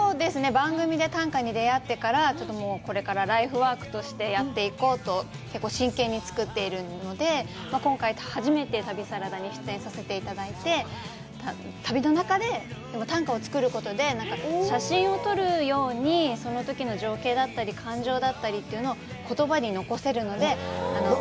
番組で短歌に出会ってから、ちょっとこれからライフワークとしてやっていこうと結構真剣に作っているので、今回初めて旅サラダに出演させていただいて、旅の中で短歌を作ることで、写真を撮るようにそのときの情景だったり感情だったりというのを言葉に残せるので。